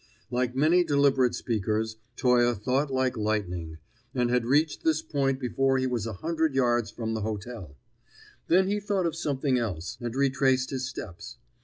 Like many deliberate speakers, Toye thought like lightning, and had reached this point before he was a hundred yards from the hotel; then he thought of something else, and retraced his steps.